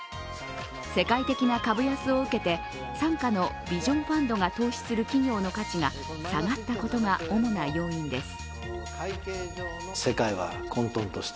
世界的な株安を受けて傘下のビジョンファンドが投資する企業の価値が下がったことが主な要因です。